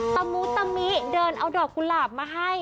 ตะมุตะมิเดินเอาดอกกุหลาบมาให้